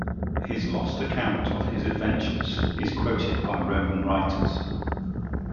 His lost account of his adventures is quoted by Roman writers.